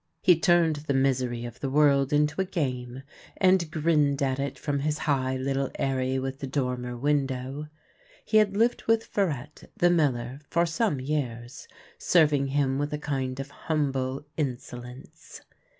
He turned the misery of the world into a game, and grinned at it from his high little eyrie with the dormer window. He had lived with Farette, the miller, for some years, serving him with a kind of humble in solence.